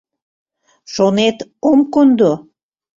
Шонет — ом кондо?